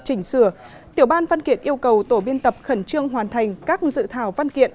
chỉnh sửa tiểu ban văn kiện yêu cầu tổ biên tập khẩn trương hoàn thành các dự thảo văn kiện